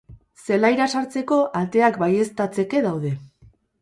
Zelaira sartzeko ateak baieztatzeke daude.